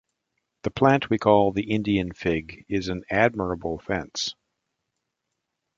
That plant we call the Indian fig is an admirable fence